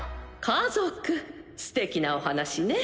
すてきなお話ね。